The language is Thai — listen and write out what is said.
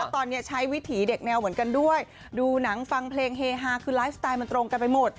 ตอนนี้ใช้วิถีเด็กแนวเหมือนกันด้วยดูหนังฟังเพลงเฮฮาคือไลฟ์สไตล์มันตรงกันไปหมด